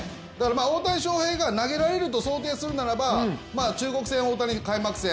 大谷翔平が投げられると想定するならば、中国戦を大谷、開幕戦。